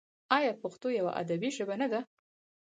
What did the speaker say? آیا پښتو یوه ادبي ژبه نه ده؟